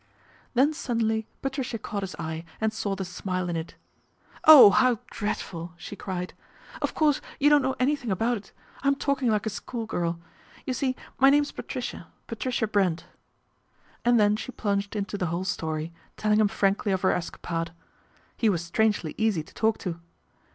Then suddenly Patricia caught his eye and saw the smile in it. " Oh, how dreadful !" she cried. " Of course you don't know anything about it. I'm talking like a schoolgirl. You see my name's Patricia, Patricia Brent," and then she plunged into the whole story, telling him frankly of her escapade. He was strangely easy to talk to.